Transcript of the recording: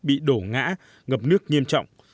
bị đổ ngã ngập nước nghiêm trọng